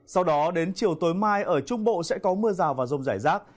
sau đó đến chiều tối mai ở trung bộ sẽ có mưa rào và rông rải rác